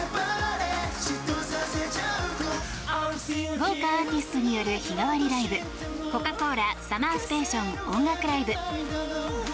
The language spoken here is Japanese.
豪華アーティストによる日替わりライブ「コカ・コーラＳＵＭＭＥＲＳＴＡＴＩＯＮ音楽ＬＩＶＥ」。